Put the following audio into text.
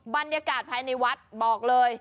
บรรยากาศภายในวัดบอกเลย